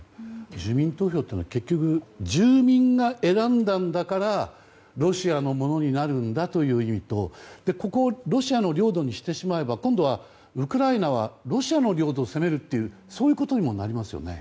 住民投票というのは住民が選んだんだからロシアのものになるんだという意味とここをロシアの領土にすれば今度はウクライナはロシアの領土を攻めるとそういうことにもなりますよね。